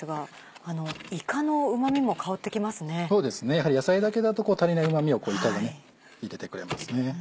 やはり野菜だけだと足りないうま味をいかが入れてくれますね。